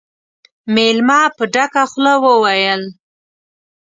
مېلمه په ډکه خوله وويل: